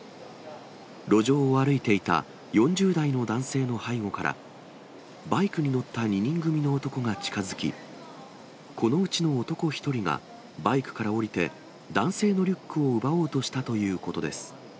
路上を歩いていた４０代の男性の背後から、バイクに乗った２人組の男が近づき、このうちの男１人がバイクから降りて、男性のリュックを奪おうとしたということです。